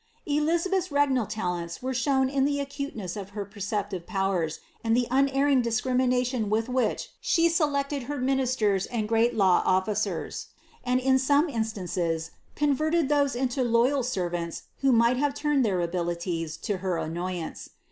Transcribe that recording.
' Elnabeth's regnal talents were shown in the acuteness of her percep tive powers, and the unerring discrimination with which she selected her ministers and great law officers, and in some instances converted those into loyal servants who might have turned their abilities to her annoyance.